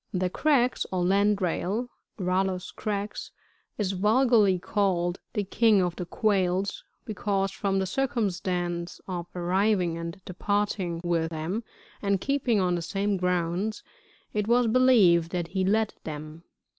] 61. The Crex, or lAind Hail, — Rallus crex,— is vulgarly called the King of the Q,uails, because, from the circumstance of arriving and departing with them, and keeping on the same grounds, it was believed that he led them.